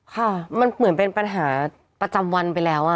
ค่ะมันเหมือนเป็นปัญหาประจำวันไปแล้ว